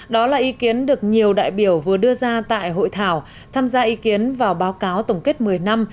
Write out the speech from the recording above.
đó là ý kiến được nhiều đại biểu vừa đưa ra tại hội thảo tham gia ý kiến vào báo cáo tổng kết một mươi năm